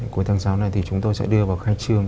cuối tháng sáu này thì chúng tôi sẽ đưa vào khai trương